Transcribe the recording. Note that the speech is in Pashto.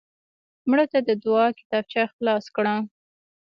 مړه ته د دعا کتابچه خلاص کړه